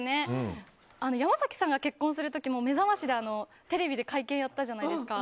山崎さんが結婚する時も「めざまし」でテレビで会見やったじゃないですか。